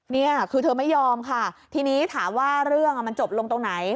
นี่คือเธอไม่ยอมค่ะทีนี้ถามว่าเรื่องมันจบลงตรงไหน